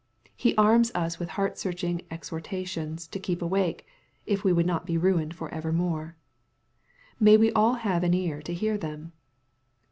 He arms us with heartsearching exhortations to keep awake, if we would not be ruined for evermore. May we aU have an ear to hear them.